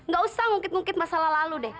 gak usah ngungkit ngungkit masa lalu deh